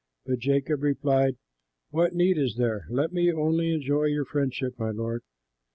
But Jacob replied, "What need is there? Let me only enjoy your friendship, my Lord."